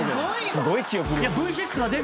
すごい記憶力。